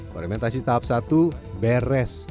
fermentasi tahap satu beres